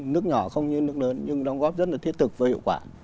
nước nhỏ không như nước lớn nhưng đóng góp rất là thiết thực và hiệu quả